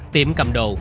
tiệm cầm đồ